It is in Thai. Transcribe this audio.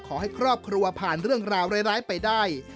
ขอให้ครอบครัวผ่านเรื่องราวร้ายไปได้